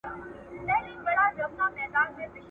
موږ په صنف کي د نويو سیسټمونو په اړه بحث کوو.